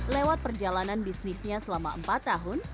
lewat perjalanan bisnisnya selama empat tahun